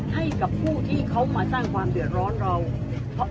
ให้กับผู้ที่เขามาสร้างความเดือดร้อนเราเพราะ